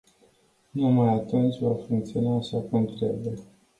Numai atunci va funcționa așa cum trebuie.